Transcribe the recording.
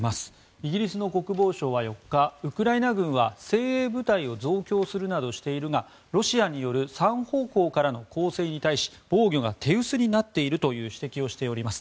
イギリスの国防省は４日ウクライナ軍は精鋭部隊を増強するなどしているがロシアによる３方向からの攻勢に対し防御が手薄になっているという指摘をしております。